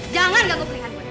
jangan ganggu peringatku